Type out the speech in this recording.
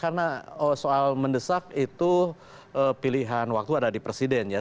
karena soal mendesak itu pilihan waktu ada di presiden ya